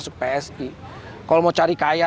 kalau lo mau cari kaya